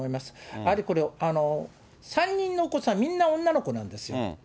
やはりこれ、３人のお子さん、みんな女の子なんですよ。